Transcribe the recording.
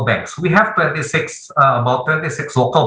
kami memiliki dua puluh enam bank lokal